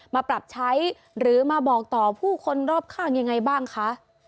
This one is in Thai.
มาปรับใช้หรือมาบอกต่อผู้คนรอบข้างยังไงบ้างคะ